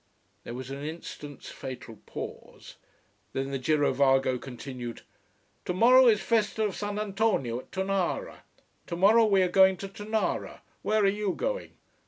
There was an instant's fatal pause, then the girovago continued: "Tomorrow is festa of Sant 'Antonio at Tonara. Tomorrow we are going to Tonara. Where are you going?"